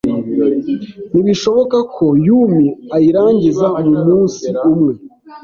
Ntibishoboka ko Yumi ayirangiza mumunsi umwe.